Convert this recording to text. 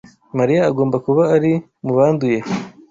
Mariya agomba kuba ari mubanduye